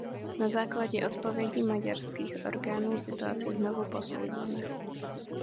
Na základě odpovědí maďarských orgánů situaci znovu posoudíme.